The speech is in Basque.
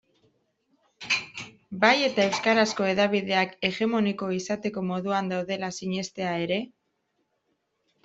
Bai eta euskarazko hedabideak hegemoniko izateko moduan daudela sinestea ere?